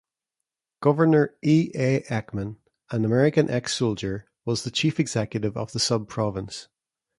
Governor E. A. Eckman, an American ex-soldier was the Chief Executive of the sub-province.